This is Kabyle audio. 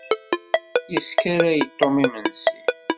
Yeskaray Tom imensi.